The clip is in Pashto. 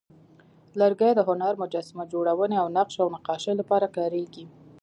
لرګی د هنر، مجسمه جوړونې، او نقش و نقاشۍ لپاره کارېږي.